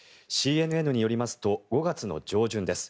ＣＮＮによりますと５月の上旬です。